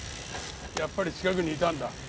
やっぱり近くにいたんだ。